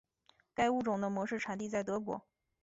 该物种的模式产地在德国。